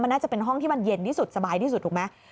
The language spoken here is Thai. น่าจะเป็นห้องที่มันเย็นที่สุดสบายที่สุดถูกไหม